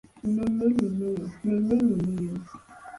Ninini- ninio, ninini-ninio.